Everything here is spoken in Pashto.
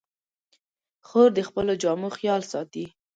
خور د خپلو جامو خیال ساتي.